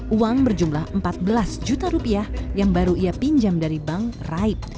uang berjumlah empat belas juta rupiah yang baru ia pinjam dari bank raib